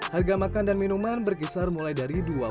harga makan dan minuman berkisar mulai dari